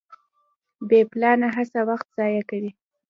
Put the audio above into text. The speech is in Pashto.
بې پلانه هڅه وخت ضایع کوي.